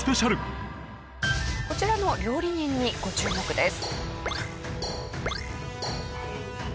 こちらの料理人にご注目です。